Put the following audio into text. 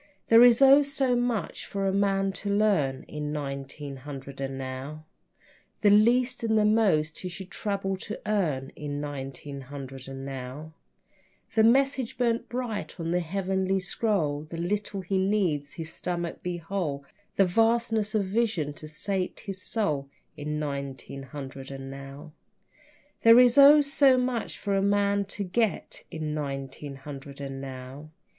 There is oh, so much for a man to learn In nineteen hundred and now: The least and the most he should trouble to earn In nineteen hundred and now, The message burned bright on the heavenly scroll, The little he needs that his stomach be whole, The vastness of vision to sate his soul, In nineteen hundred and now. There is oh, so much for a man to get In nineteen hundred and now.